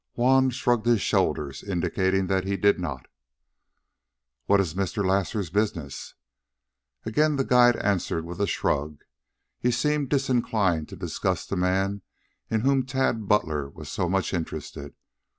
Juan shrugged his shoulders, indicating that he did not. "What is Mr. Lasar's business?" Again the guide answered with a shrug. He seemed disinclined to discuss the man in whom Tad Butler was so much interested.